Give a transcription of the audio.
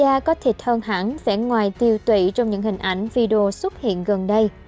hồ văn cường có da có thịt hơn hẳn vẻ ngoài tiêu tụy trong những hình ảnh video xuất hiện gần đây